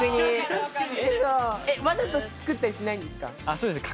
わざと作ったりしないんですか？